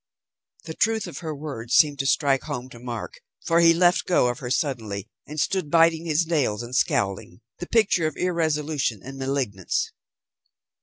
The truth of her words seemed to strike home to Mark, for he left go of her suddenly, and stood, biting his nails and scowling, the picture of irresolution and malignance.